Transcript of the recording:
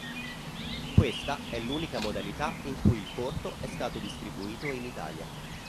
Questa è l'unica modalità in cui il corto è stato distribuito in Italia.